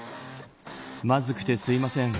まずくてすいません。